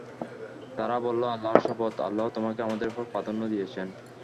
তারা বলল, আল্লাহর শপথ, আল্লাহ তোমাকে আমাদের উপর প্রাধান্য দিয়েছেন।